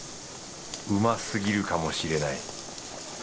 うますぎるかもしれない。